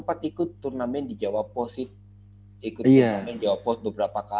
paman nya pun cewek